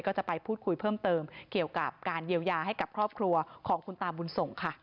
ก็จะไปพูดคุยเพิ่มเติมเกี่ยวกับการเยียวยาให้กับครอบครัวของคุณตาบุญส่งค่ะ